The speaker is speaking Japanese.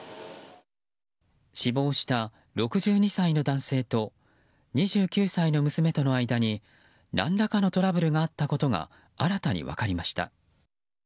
死亡した６２歳の男性と２９歳の娘との間に何らかのトラブルがあったことが新たに分かりました。